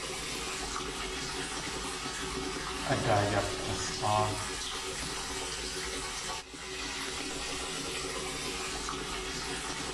A daa yakg̲was.áa.